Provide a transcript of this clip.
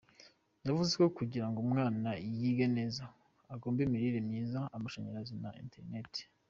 Yavuze ko kugira ngo umwana yige neza agomba imirire myiza , amashanyarazi na interineti.